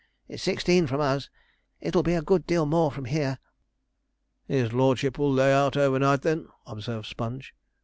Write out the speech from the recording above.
'It's sixteen from us; it'll be a good deal more from here.' 'His lordship will lay out overnight, then?' observed Sponge.